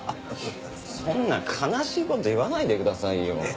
そんな悲しい事言わないでくださいよ。